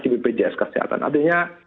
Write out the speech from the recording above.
di bpjs kesehatan artinya